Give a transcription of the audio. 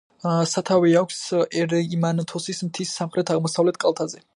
სათავე აქვს ერიმანთოსის მთის სამხრეთ-აღმოსავლეთ კალთაზე.